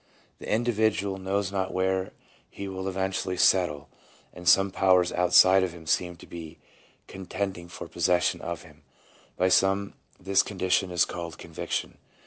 The individual knows not where he will eventually settle, and some powers outside of him seem to be contending for possession of him. By some this condition is called conviction.